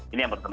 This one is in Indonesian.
ini yang pertama